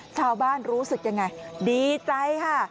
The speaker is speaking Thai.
ชาวบ้านรู้สึกอย่างไรดีใจค่ะ